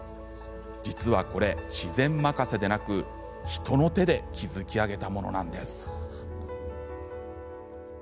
実は、これ自然任せでなく人の手で築き上げたものなんです。